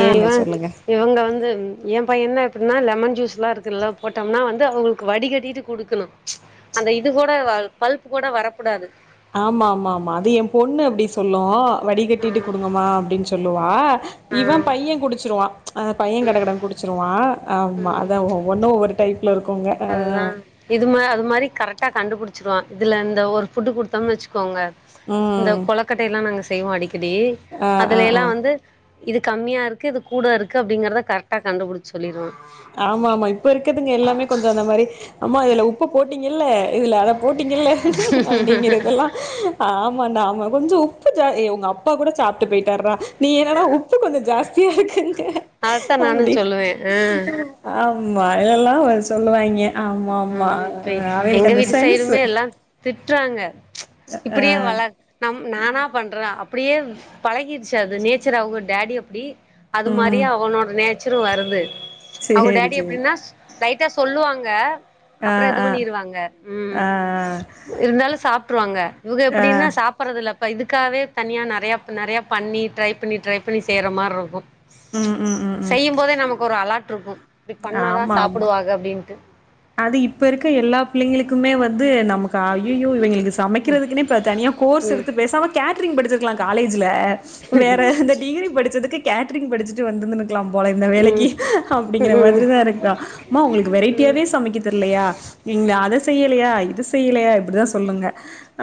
ஆங்க சொல்லுங்க [inaudible] இவங்க வந்து எ பையன்னா எப்பிட்னா லெமன் ஜூஸ்லா [unintelligible] போட்டோம்னா வந்து அவுங்களுக்கு வடிகட்டிகிட்டு குடுக் துணு அந்த இது கூட வர் பல்ப் கூட வரக்கூடாது ஆமா ஆமா ஆமா அது எ பொண்ணு அப்டி சொல்லு ஆ வடிகட்டிட்டு குடுங்கமா அப்டின் சொல்லுவா ஆ இவ பையன் குடிச்சிருவா அ பைய கட ம் கடன் குடிச்சிருவா ஆமா ம் அத ஒ ஒன்னொ ஒவ்வொரு டைப்பில இருக்கோங்க இதுமே அது மாரி கரெக்டா கண்டுபுடிச்சிருவா இதுல இந்த ஒரு ஃபுட்டு் குடுத்தம்னு வெச்சுக்கோங்க இந்த ம் கொளக்கட்டயெல்லா நாங்க செய்வோ அடிக்கடி ஆ ஆ அதுல எல்லா ஆ வந்து இது கம்மியாருக்கு இது கூட இருக்கு அப்டிங்கரத கரெட்டா கண்டுபுடுச் சொல்லிருவா ஆமா ஆமா இப்ப இருக்கதுங்க எல்லாமே கொஞ்சோ அந்த மாரி அம்மா இதுல உப்பு போட்டீங்கில்ல இதுல அத போட்டீங்கில்ல அப்டிங்கிறதெல்லா ஆமா நாம கொஞ்சி உப்பு ஜா ஏ உங்க அப்பா கூட சாப்ட்டு போயிட்டார்றா நீ என்னன்னா உப்பு கொஞ்சோ ஜாஸ்தியா இருக்குங்க அதத்தா நானு அப்டின் சொல்லுவே ஆ ஆமா இதெல்லா அ சொல்லுவாய்ங்க ஆமா ஆமா ம் அ இப்ப அ எங்க அவேளுக்கு அந்த வீட்டு சென்ஸ்சு சைடுமே எல்லா திட்றாங்க ஆ இப்டியே வள நம் நானா பண்ற அப்டியே பழகிருச்சு அது நேச்சர் அவுங்க டாடி அப்டி அது ம் மாரியே அவனோட நேச்சரு வருது அவுங்க சேரி டாடி சேரி எப்டின்னா லைட்டா சொல்லுவாங்க ஆ அப்புற இது ஆ வண்ணிருவாங்க உம் ஆ இருந்தாலு சாப்டுருவாங்க இவுங்க ஆ ஆ எப்டின்னா சா ப்புறதில்ல ப இதுக்காவே தனியா நெறைய நெறைய பண்ணி ட்ரை பண்ணி ட்ரை பண்ணி செய்யற மார்ருக்கு ம் ம் ம் ம் செய்யும் போதே நமக்கு ஒரு அலா்ட் இருக்கு இப்டி பண்ணாதா ஆமா ஆமா சாப்பிடுவாக அப்டின்ட்டு அது இப்ப இருக்க எல்லா பிள்ளைங்களுக்குமே வந்து நமக் க அய்யய்யோ இவய்ங்களுக்கு சமைக்கிறதுக்குனே இப்ப தனியா கோர்ஸ் ம் எடுத்து பேசாம கேட்ரிங் படிச்சிருக்கலா காலேஜ்ல வேற இந்த டிகிரி படிச்சதுக்கு கேட்ரிங் படிச்சுட்டு வந் [unintelligible] க்கலா போல இந்த வேலைக்கு ம் அப்டிங்கிற ம் மாதிரி தா இருக்கா அம்மா உங்களுக்கு ம் வெரைட்டியாவே சமைக்க தெர்லையா நீங்க அத செய்யலையா இத செய்யலையா இப்டிதா சொல்லுங்க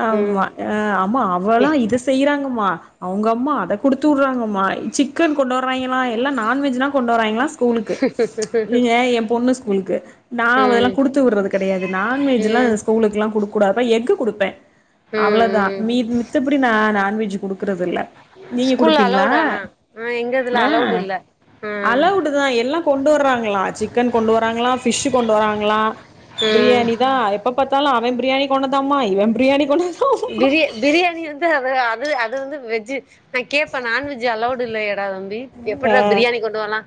ஆமா ஏ அ ஆம்மா அவல்லா இத செ செய்யறாங்கம்மா அவுங்க அம்மா அத குடுத்தூர்ராங்கமா சிக்கன் கொண்டு வர்றாய்ங்களா எல்லா நான்வெஜ்னா கொண்டு வர்றாய்ங்களா ஸ்கூலுக்கு நீங்க எ பொண்ணு ஸ்கூலுக்கு நா அதெல்லா ம் குடுத்தூட்றது கெடையாது நான்வெஜ் எல்லா ம் ம் ஸ்கூலுக்குலா குடுக் கூடாதுபா எஃக்கு குடுப்பே அவ்ளதா ம் மீ மித்தபடி நா நான்வெஜ் குடுக்குறதில்ல நீங்க ஸ்கூல்ல குடுப்பீங்களா அலவுடு ஆனா ஆ எங்க இதுல ஆ அலவுடு இல்ல ம் அலவுட் தா எல்லா கொண்டு வர்றாங்களா சிக்கன் கொண்டு வர்றாங்களா ஃபிஷ்சு கொண்டு வராங்களா ம் பிரியாணி இதா எப்ப பாத்தாலு அவ பிரியாணி கொண்ணதாம்மா இவ பிரியாணி கொண்டு வந்தாம் பிரியா பிரியாணி வந்து அது அது அது வந்து வெஜ்ஜு நா கேப்ப நான்வெஜ் அலௌடு இல்லயடா தம்பி ஆ எப்புட்றா பிரியாணி கொண்டு வர்லா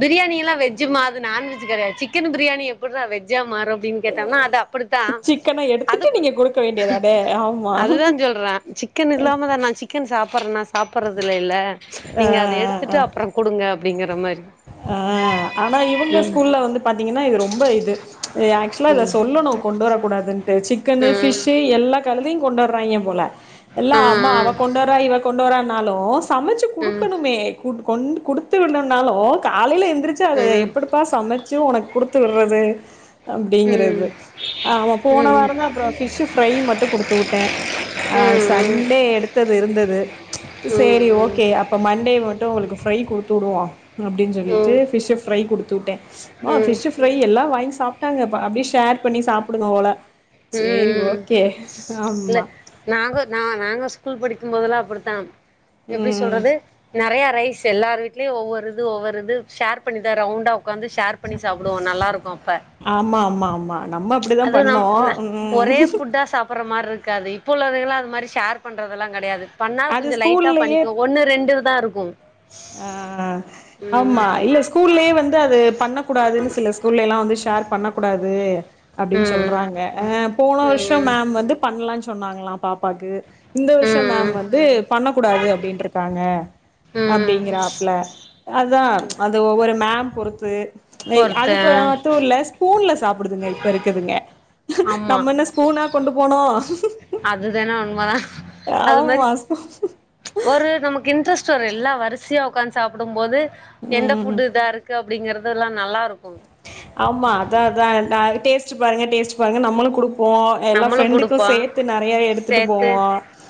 பிரியாணிலா வெஜ்ஜுமா அது நான் வெஜ்ஜு கெடையாது சிக்கனு பிரியாணி எப்புறா வெஜ்ஜா மாறோ ப்டீனு கேட்டானா அது அப்புடித்தா சிக்கன அது எடுத்துட்டு நீங்க குடுக்க வேண்டியதானே ஆமா சொல்றே சிக்கன் இல்லாமதா நா சிக்கன் சாப்புட்றனா நா சாப்புடறது இல்ல ஆ நீங்க அத எடுத் ஆ எடுத்துட்டு ஆ அப்புறோ குடுங்க அப்டிங்கிற மாரி ஆ ஆனா இவுங்க ஸ்கூல்ல வந்து பாத்தீங்கன்னா இது ரொம்போ இது ஆக்சுவலா இத ம் சொல்லணோ கொண்டு வரக்கூடாதுன்டு சிக்கனு ம் பிஷு எல்லா கலதையு கொண்டு வறாங்க போல எல்லா அம்மா அவ ம் கொண்டு வறா இவ கொண்டு வரான்னாலு சமைச்சு ம் ம் குடுக்கணுமே கொண்டு குடுத்து விடலன்னாலு காலையில எந்திரிச்சு அத ம் ம் ம் ம் எப்புடி ப்பா சமச்சு உனக்கு குடுத்து விடுறது அப்டீங்குறது அவ போன வாரந்தா அப்புறோ பிஷ்ஷு ஃப்ரை மட்டு குடுத்து வுட்டே ஆ சண்டே எடுத்தது இருந்தது சேரி ஓகே அப் ப மண்டே மட்டு அவளுக்கு ஃப்ரை குடுத்து வுடுவோ அப்டின்னு சொல்லிட்டு ம் பிஷ்ஷு ஃப்ரை குடுத்து வுட்டே மா ம் ம் ஃபிஷ்ஷு ஃப்ரை எல்லா வாங்கி சாப்ட்டாங்க அப்டியே ஷேர் பண்ணி சாப்டுங்க போல செரி ம் ஓகே இல்ல ஆமா நாங்க நாங்க ஸ்கூல் படிக்கும்போதெல்லா அப்புடித்தா எப்புடி ம் சொல்றது நறைய ரைஸ் எல்லார் வீட்லயு ஒவ்வொரு இது ஒவ்வொரு இது ஷேர் பண்ணிதா ரவுண்டா ஒக்காந்து ஷேர் பண்ணி சாப்புடுவோ நல்லா இருக்கோ அப்ப ஆமா ஆமா ஆமா நம்ம அப்டிதா அது பண்ணோ நம் ந ம் ஒரே ஃபுட்டா சாப்புடுற மாரி இருக்காது இப்போ உள்ளதுகலா அது மாரி ஷேர் பண்றதெல்லா கடையாது பண்ணா அது கொஞ்சோ லைட்டா ஸ்கூல்லயே பண்ணிக்கோ ஒண்ணு ரெண்டுதா இருக்கும் ஆ ஆமா இல்ல ஸ் கூல்லயே வந்து அது பண்ண கூடாதுன்னு சில ஸ்கூல்லயெல்லா வந்து ஷேர் பண்ணக்கூடாது அப்டீன்னு ம் சொல்றாங்க அ போன வர்ஷோ ம் மேம் வந்து பண்ணலான்னு சொன்னாங்களா பாப்பாக்கு இந்த வர்ஷ மேம் ம் வந்து பண்ணகூடாது அப்டீன்றுக்காங்க ம் அப்டீங்கறாப்ல அதா அது ஒவ்வொரு மேம் பொறுத்து இ பொறுத்து ஆ அதுப்பத்தூல ஸ்பூன்ல சாப்புடுதுங்க இப்ப இருக்கதுங்க ஆமா நம்ம என்ன ஸ்பூனா கொண்டு போனோ அதுதான உண்மதா அது மாரி ஆமா ஸ்பூ ஒரு நமக்கு இன்ட்ரெஸ்ட் வரோ எல்லா வரிசையா ஒக்காந்து சாப்புடும்போது எந்த ம் புட் இதா இருக் இருக்கு அப்டீங்கறது எல்லா நல்லா இருக்கோ ஆமா அதா அதா டேஸ்ட்டு பாருங்க டேஸ்ட்டு பாருங்க நம்மளு குடுப்போ எல்லா நம்மளு ஃப்ரெண்டுக்கோ குடுப்போ சேத்து நறையா எடுத்துட்டு சேத்து போவோ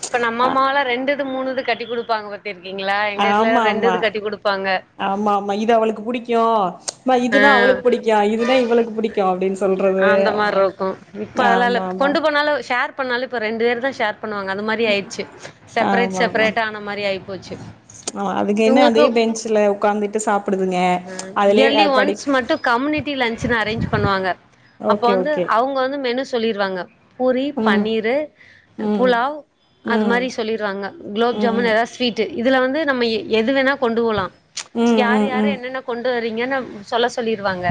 இப்ப நம்ம அம்மாவலா ரெண்டு இது மூணுது கட்டி குடுப்பாங்க பத்திருக்கீங்களா எங்க இதுல ஆமா ரெண்டு ஆமா இது கட்டிகுடுப்பாங்க ஆமா ஆமா இது அவளுக்கு புடிக்கோ ஆ இதுனா அவளுக்கு பிடிக்கோ இதுனா இவளுக்கு பிடிக்கோ அப்டின்னு சொல்றது அந்த மாரி இருக்கு இப்ப ஆமா அதலா இல்ல ஆமா கொண்டு போனாலு ஷேர் எது பண்ணாலு இப்ப ரெண்டு பேரு தா ஷேர் பண்ணுவாங்க அந்த மாரி ஆயிட்ச்சு செப்பரேட் ஆமா ஆமா செப்பரேட்டா ஆன மாரி ஆயிப் போச்சு ஆமா அதுக்கென்ன அதே இவங்களுக்கு பெஞ்சுல ஒக்காந்துட்டு சாப்டுதுங்க அதுலயே இயர்லி படி ஒன்ஸ் மட்டு கம்யூனிட்டி லன்ச்சுனு அரேஞ்ச் பண்ணுவாங்க அப்ப ஓகே வந்து ஓகே அவ அவங்க வந்து மெனு சொல்லிருவாங்க பூரி ம் பன்னீரு ம் புலாவ் அது ம் மாரி சொல்லிருவாங்க குலோப் ம் ஜாமுன் எதாவது ஸ்வீட்டு இதுல வந்து நம்ம எ எது வேணா கொண்டு போலா ம் ம் யாரு ம் யாரு ம் என்னென்ன கொண்டு வரிங்கன்னு சொல்ல சொல்லிருவாங்க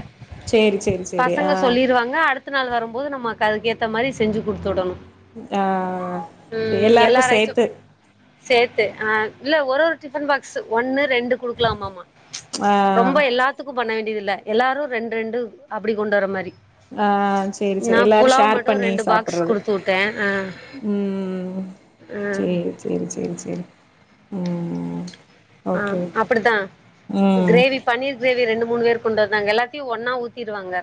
சேரி சேரி சேரி ஆ பசங்க சொல்லிருவாங்க அடுத் த்த நாள் வரும்போது நமக்கு அதுக்கெத்த மாரி செஞ்சு குடுத்துவிடணு ஆ எல்லாருக்கும் ரைஸு சேத்து சேத்து ஆ இல்ல ஒரு ஒரு டிபன் பாக்ஸ் ஒன்னு ரெண்டு குடுக்கலாம்மாமா ஆ ரொம்ப எல்லாத்த த்துக்கும் பண்ண வேண்டியது இல்ல எல்லாரு ரெண்டு ரெண்டு அப்டி கொண்டு வர மாரி ஆ சேரி நா சேரி எல்லாரு புலாவ் ஷேர் மட்டு பண்ணி ரெண்டு பாக்ஸ் சாப்புட்றது குடுத்து விட்டே ஆ ம் ம் சேரி சேரி சேரி சேரி ம் ஆ ஓகே ஓகே அப்படித்தா ம் கிரேவி பன்னீர் கிரேவி ரெண்டு மூணு பேர் கொண்டு வந்தாங்க எல்லாத்தையு ஒன்னா ஊத்திடுவாங்க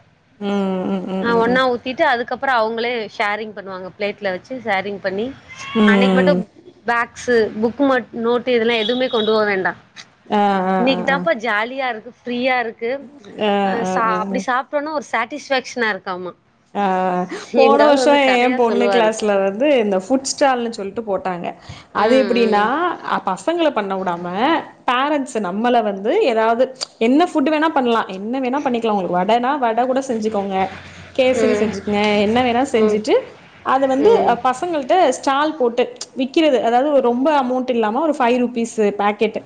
ம் ம் ஆ ம் ம் ஒன்னா ஊத்தி த்திட்டு அதுக்கப்பறோ அவுங்களே ஷேரிங் பண்ணுவாங்க பிளேட்டில வச்சு ஷேரிங் பண்ணி ம் அன்னைக்கு மட்டும் ம் பேக்ஸ்சு புக் மட் நோட்டு இதெல்லா எதுவுமே கொண்டு போக வேண்டா ஆ ஆ ஆ இன்னைக்கு தாப்பா ஜாலியா இருக்கு ப்ரீயா இருக்கு ஆ சாப் இப்படி சாப்ட்டோனா ஒரு சட்டிஸ்பேக்க்ஷனா இருக்காமா ஆ போன எங்க ஆளு வருஷோ வந்து ஏ கதையா பொண்ணு சொல்லுவாரு கிளாஸ்ல வந்து இந்த ஃபுட் ஸ்டால்னு சொல்ட்டு போட்டாங்க ம் அது எப்படின்னா ம் அ பசங்கள பண்ண விடாம பேரண்ட்ஸ் நம்மள வந்து ஏதாவது என்ன புட் வேணா பண்ணலா என்ன வேணா பண்ணிக்கலா உங்களுக்கு வடனா வட கூட செஞ்சுக்கோங்க கேசரி ம் செஞ்சுக்கொங்க என்ன வேண ம் செஞ்சுட்டு அத வந்து ம் பச பசங்கள்ட ஸ்டால் போட்டு விக்கிறது அதாவது ரொம்ப அமௌண்ட் இல்லாம ஒரு ஃபைவ் ருபீஸ் பேக்கெட்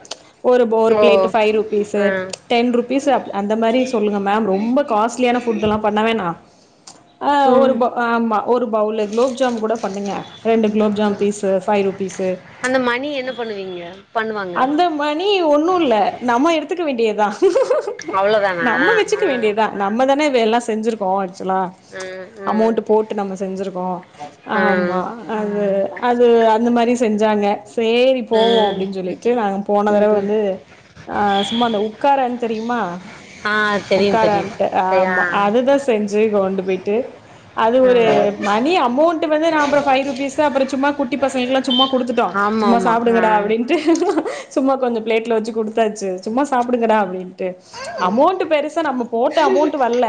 ஒரு ஒரு ஓ பிளேட் ஃபைவ் ருபீஸு ஆ டென் ருபீஸ் அந்த மாரி சொல்லுங்க மேம் ரொம்ப காஸ்ட் ட்லியான ஃபுட்டெல்லா பண்ண வேணா ஆ ம் ஒரு ஆமா ஒரு பவுலு குலோப் ஜாம் கூட பண்ணுங்க ரெண்டு gulab jam piece five rupees அந்த மணி என்ன பண்ணுவீங்க பண்ணுவாங்க அந்த மணி ஒன்னுல்ல நம்ம எடுத்துக்க வேண்டியதா அவ்ளோதானா நம்ம வச்சுக்க ஆ வேண்டியதா நம்ம தான இத எல்லா செஞ்சிருக்கோ ஆக்சுவலா ம் அமௌண்ட் ம் போட்டு நம்ம செஞ்சிருக்கோ ஆ ஆமா அது அது அந்த மாரி செஞ்சாங்க சேரி போவோ ம் அப்டின்னு சொல்லிட்டு நாங்க போன தரவ ம் வந்து ஆ சும்மா அந்த உட்காரன்னு தெரியுமா ஆ தெரியு தெரியு உட்காரன்ட்ட ஆ ஆமா அதுதா செஞ்சு கொண்டு போயிட்டு அது ஒரு ம் மணி அமொண்ட்டு வந்து நா அப்பறோ பைவ் ருப்பீஸ் அப்பறோ சும்மா குட்டி பசங்களுக்குலா சும்மா குடுத்துட்டோ ஆமா சும்மா ஆமா ஆ சாப்டுங்கடா அப்படின்ட்டு சும்மா கொஞ்சோ பிளேட்ல வச்சு குடுத்தாச்சு சும்மா சாப்டுங்கடா அப்டின்னு ட்டு அமௌண்ட் பெருசா நம்ம போட்ட அமௌண்ட் வரல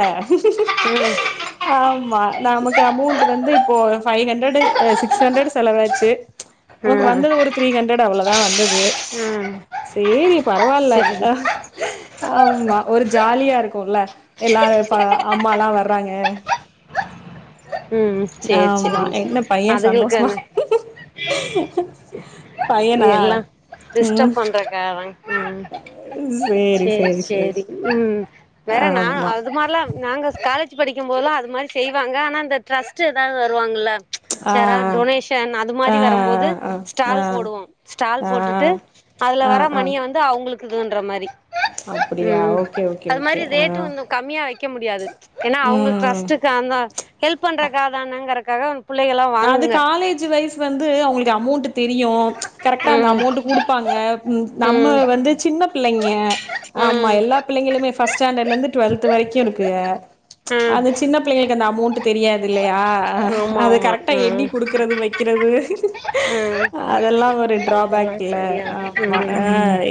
ம் ஆமா நமக்கு அமௌண்ட் வந்து இப்போ ஃபைவ் ஹண்ட்ரடு சிக்ஸ் ஹண்ட்ரடு செலவாச்சு நமக்கு ம் வந்தது ஒரு த்ரீ ஹண்ட்ரட் அவ்வளோதா வந்தது ம் சேரி பரவால்ல சரி ஆமா ஒரு ஜாலியா இருக்குல்ல எல்லாரு இப்ப அம்மாலா வர்றாங்க ம் சேரி ஆமா சேரி என்ன பைய அதுகளுக்கு சந்தோஷமா அந்த பையனா எல்லா ம் டிஸ்டர்ப் பண்றக்காகதா ம் சேரி சேரி ம் வேற நா ஆமா அது மாரிலா நாங்க காலேஜ் படிக்கு போதுலா அது மாரி செய்வாங்க ஆனா இந்த ட்ரஸ்ட் எதாவது வருவாங்கல்ல ஆ யாராவது டொனேஷன் அது மாரி ஆ வரம்போது ஆ ஆ ஆ ஸ்டால் போடுவோ ஸ்டால் ஆ போட்டுட்டு அதுல ஆ ஆ வர ஆ மணிய வந்து அவங்களுக்குதுன்ற மாரி அப்படியா ம் ஓகே ஓகே அது மாரி ஓகே ஆ ரேட்டு வந்து கம்மியா வைக்க முடியாது ஏன்னா அவுங்க ம் ட்ரஸ்ட்டு க்கு அந்த ஹெல்ப் பண்றக்காக தானங்கறக்காக புள்ளைகள்லா அது வாங்குங்க காலேஜ் வைஸ் இது வந்து அவுங்களுக்கு அமௌண்ட்டு தெரியு கரெக்ட்டா அந்த ம் அமௌண்ட்டு குடுப்பாங்க ம் நம்ம வந்து சின்னப் பிள்ளைங்க ஆமா ம் எல்லா பிள்ளைங்களுமே ஃபர்ஸ்ட் ஸ்டாண்டர்ட்ல இருந்து டுவெல்த் வரைக்கு இருக்குக ம் அது சின்ன பிள்ளைங்களுக்கு அந்த அமௌண்ட்டு தெரியாது இல்லையா ஆமா அது ஆமா கரெக்டா எண்ணி ம் குடுக்கறது வைக்கிறது ம் அதெல்லா ஒரு அதெல்லா ட்ராபேக் குல சரியா ஆமா ஆ ம்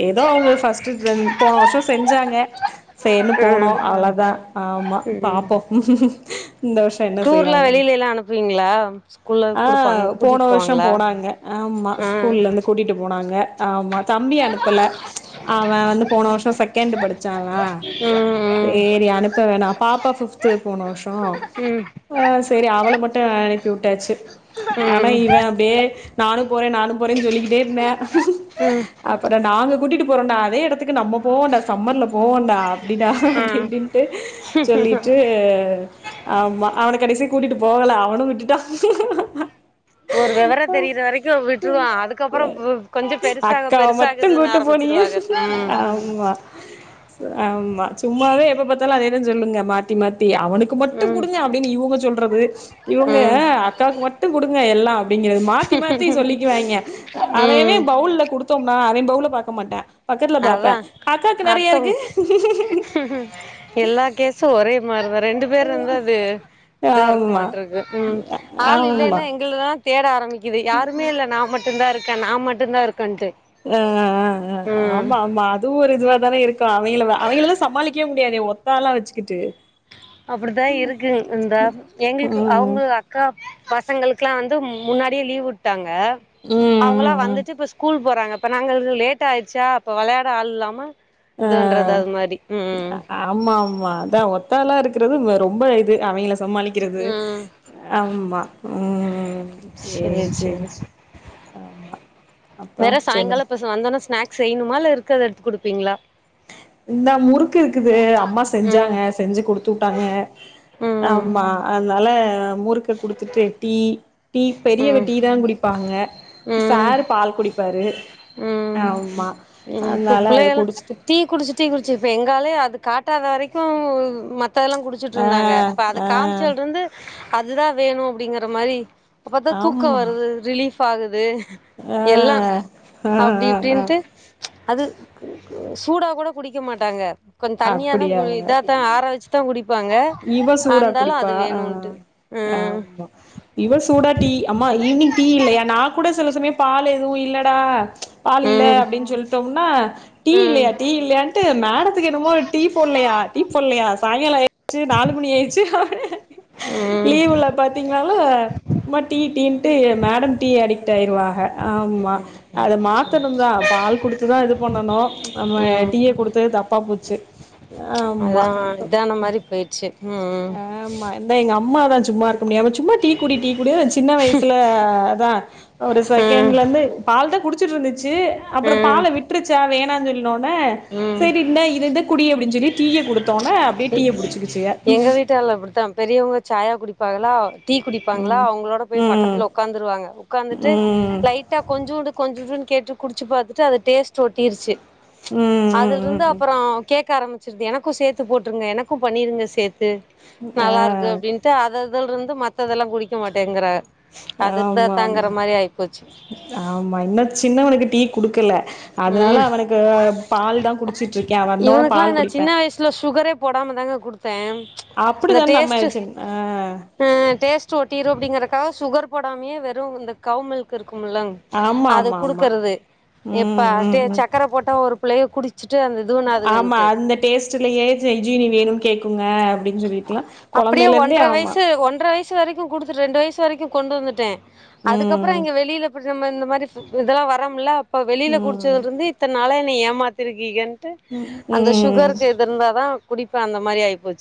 ஏதோ அவுங்க ஃபர்ஸ்ட்டு செஞ் போன வருஷ செஞ்சாங்க சேர்ன்னு போனோ ம் அவ்ளதா ஆமா ம் பாப்போ இந்த வருஷ டூர்லா வெளியிலைலா அனுப்புவீங்களா ஸ்கூல்ல ஆ குடுப்பாங்க போன கூட்டிட்டு வருஷம் போவாங்களா போனாங்க ஆமா ஆ ஸ்கூல்ல இருந்து கூட்டிட்டு போனாங்க ஆமா தம்பிய அனுப்பல அவ வந்து போன வருஷ செகெண்டு் படிச்சானா ம் ம் சேரி அனுப்ப வேணா பாப்பா ஃபிப்து போன வருஷ ம் ஆ சேரி அவள மட்டு அனுப்பி விட்டாச்சு ஆனா இவ அப்படியே நானு போறே நானு போறேன்னு சொல்லிக்கிட்டே இருந்தே ம் ம் அப்பற நாங்க கூட்டிட்டு போறோன்டா அதே எடத் துக்கு நம்ம போவோண்டா சம்மர்ல போவோண்டா அப்டிடா ஆ அப்டி இப்டின்ட்டு சொல்லிட்டு ஆமா அவன கடைசிய கூட்டிட்டு போகல அவனு விட்டுட்டா ஒரு வெவர தெரிகிற வரைக்கு விட்டுருவா அதுக்கப்பற கொஞ்ச பெருசாக பெருசாக விட்டும் கூட்டு போனீங்க ஆமா ஆமா சும்மாவே எப்ப பாத்தாலு அதேதா சொல்லுங்க மாத்தி மாத்தி அவனுக் மட்டு ம் குடுங்க அப்படின்னு இவங்க சொல்றது இவங்க ம் அக்காவுக்கு மட்டு குடுங்க எல்லா அப்படிங்கறது மாத்தி மாத்தி சொல்லிக்குவாய்ங்க அதையவே ம் பவுல்ல குடுத்தோம்னா அவ பவுல பாக்க மாட்டா பக்கத்துல பாப்பே அதா அக்காக்கு நெறையா இருக்கு அடுத்தவங்க எல்லா கேசு ஒரே மாரிதா ரெண்டு பேர் வந்து அது இதா இருக்க ஆமா மாட்டருக்கு ம் ஆள் ஆமா இல்லன்னா எங்கல்லா தேட ஆரம்பிக்கக்குது யாருமே இல்ல நா மட்டுந்தா இருக்கே நான் மட்டுந்தா இருக்கன்ட்டு ஆ ஆ ஆ ஆமா ஆமா அதுவு ஒரு இதுவா தானே இருக்கு அவங்கள அவங்களதா சமாளிக்கவே முடியாதே ஒத்தாலா வச்சுக்கிட்டு அப்படித்தா இருக்கு இந்தா எங்களுக்கு ம் அவங்க அக்கா பசங்களுக்குல்லா வந்து முன்னாடியே லீவ் விட் டாங்க ம் அவுங்களா ம் ம் வந்துட்டு இப்ப ஸ்கூல் போறாங்க இப்ப நாங்க லேட் ஆயிடுச்சா அப்ப வெளையாட ஆள் இல்லாம ஆ இது பண்றது அது மாரி ம் ஆமா ஆமா அதா ஒத்தாலா இருக்குறது ரொம்ப இது அவங்கள சமாளிக் கிறது ம் ஆமா ம் சேரி சேரி ஆமா அப்றோ வேற சொல்லுங்க சாயங்கால இப்ப வந்தவுன்ன ஸ்நேக்ஸ் செய்யணுமா இல்ல இருக்குறத எடுத்துக் குடுப்பீங்களா இந்தா முறுக்கு இருக்குது அம்மா ம் செஞ்சாங்க செஞ்சு கொடுத்து வுட்டாங்க ம் ஆமா அதனால முறுக்க குடுத்துட்டு டீ டீ பெரியவ ம் டீ தா குடிப்பாங்க ம் சார்ரு பால் குடிப்பாரு ம் ஆமா இப்ப அதனால அது புள்ளைகலா குடிச்சுட்டு டீ குடிச்சு டீ குடிச்ச இப்ப எங்காலே அது காட்டாத வரைக்கு மத்ததெல்லா குடிச்ச ஆ ட்டுருந்தாங்க இப்ப அது ஆ காமிச்சட்லருந்து அதுதா வேணு அப்டிங்கற மாரி அப்ப தா ஆமா தூக்கோ வருது ரிலீஃப் ஆகுது ஆ எல்லா ஆ அப்டி ஆ ஆ இப்டின்ட்டு அது சூடா கூட குடிக்க மாட்டாங்க கொஞ்ச தண்ணியாதா கு அப்படியா இதா தா ஆர வச்சுதா குடிப்பாங்க இவ சூடா அந்தாலும் அது வேணுன்ட்டு ம் மா இவ சூடா டீ அம்மா ஈவினிங் டீ இல்லையா நா கூட சில சமயோ பால் ஏதுவு இல்லடா பால் இல்ல ம் அப்டின்னு சொல்ட்டோம்னா டீ ம் இல்லையா டீ இல்லையான்ட்டு மேடத்துக்கு என்னுமோ டீ போட்லையா டீ போட்லையா சாய்ங்கால நாலு மணி ஆயிருச்சு ம் லீவ் ல பாத்தீங்ணாலு சும்மா டீ டீன்ட்டு மேடம் டீ அடிக்ட் ஆயிருவாக ஆமா அத மாத்தணுதா பால் குடுத்துதா இது பண்ணணு நம்ம ம் டீய குடுத்துது தப்பா போச்சு ஆமா அதா இதான மாரி போயிடுச்சு ம் ஆமா எங்க அம்மாதா சும்மா இருக் முடியாம சும்மா டீ குடி டீ குடு சின்ன வைசுல அதா ஒரு ம் செகண்ட்ல இருந்து பால் தா குடிச் ச்சட்டுருந்துச்சு அப்றோ ம் பால விட்டுருச்சா வேணா சொல்னோன ம் சரி இந்த இத எந்த குடி அப்டின்னு சொல்லி டீய குடுத்தோனே அப்டியே டீய புடிச்சிகிச்சு எங்க வீட்டால் அப்டித்தா பெரியவங்க சாயா குடிப்பாகளா டீ குடிப்பாங்ளா ம் அவுங்களோட போய் ம் பக்கத்தில் ஒக்காந்துருவாங்க உக்காந்துட்டு ம் லைட்டா கொஞ்சோண்டு கொஞ்சோண்டுன்னு கேட்டு குடிச்சு பாத்துட்டு அது டேஸ்ட் ஒட்டிருச்சு ம் அதுல ம் இருந்து ம் ம் அப்றோ கேக்க ஆரம்பிச்சிருது எனக்கு சேத்து போட்ருங்க எனக்கு பண்ணிருங்க சேத்து ஆ நல்லா இருக்கு அப்டின்ட்டு அத அதுல இருந்து மத்ததெல்லா குடிக்க மாட்டேங்கறா அது இருந்தா தாங்கற ஆமாமா மாரி ஆயிப்போச்சு ஆமா இன்னு சின்னவனுக்கு டீ குடுக்கல அதனால அவனுக் கு பால் தா குடிச்சிட்டு இருக்கே வந்தோன இவனுக்லா பால் நா சின்ன குடிப்பே வைசுல சுகரே போடாம தாங்க குடுத்தே அந்த அப்டிதான டேஸ்ட்டு நம்மாய்ச்ங் ஆ ஆ டேஸ்ட்டு ஒட்டிரு அப்டிங்கறக்காக சுகர் போடாமயே வெறு இந்த கவ் மில்க் இருக்கும்லங் ஆமா அது ஆமா ஆமா குடுக்றது இப்ப ம் ம் டே ம் சக்கர போட்டா ஒரு புள்ளைய குடுச்சுட்டு அந்த ஆமா இதுவுனாதுகன்ட்டு அந்த டேஸ்ட்டுலையே சென்ஜீனி வேணுன் கேக்குங்க அப்டின் சொல்லிட்லா கொழந்தைலருந்தே ஆமா ஒன்ற வயசு வரைக்கு குடுத்து ரெண்டு வயசு வரைக்கு கொண்டு வந்துட்டே அதுக்கப் அப்றோ ம் இங்க வெளில நம்ம இந்த மாரி இதெல்லா வரோம்ல அப்ப வெளில ம் குடிச்சதுலருந்து இத்தன்னால என்ன ஏமாத் திருக்கீகன்ட்டு அந்த ம் சுகருக்கு இது இருந்தாதா குடிப்பே அந்த மாரி ஆய்போச்சு